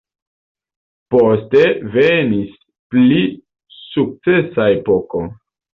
Poste venis pli sukcesa epoko.